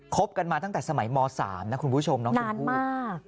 คบกันมาตั้งแต่สมัยม๓นะคุณผู้ชมนานมาก